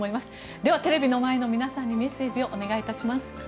では、テレビの前の皆さんにメッセージをお願いします。